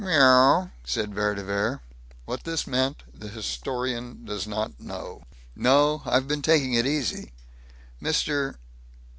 "Mrwr," said Vere de Vere. What this meant the historian does not know. "No; I've been taking it easy. Mr.